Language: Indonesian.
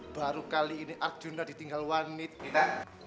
baru kali ini arjuna ditinggal wanita